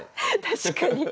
確かに。